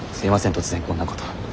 突然こんなこと。